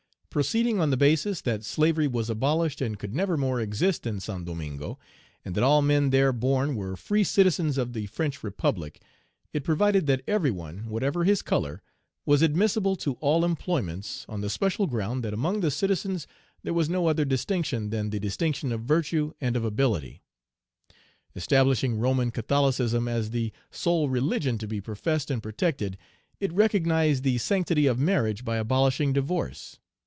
Proceeding on the basis that slavery was abolished and could never more exist in Saint Domingo, and that all men there born were free citizens of the French Republic, it provided that every one, whatever his color, was admissible to all employments, on the special ground that among the citizens there was no other distinction than the distinction of virtue and of ability. Establishing Roman Catholicism as the sole religion to be professed and protected, it recognized the sanctity of marriage by abolishing divorce.